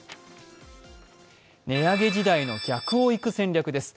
値上げ時代の逆を行く戦略です。